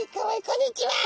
こんにちは。